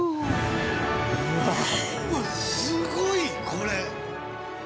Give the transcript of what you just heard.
うわすごいこれ！